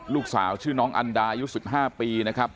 ลูกสาวชื่อน้องอันดาอายุ๑๕ปีนะครับ